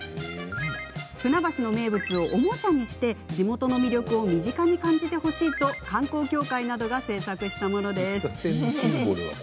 船橋の名物をおもちゃにして地元の魅力を身近に感じてほしいと観光協会などが製作したものです。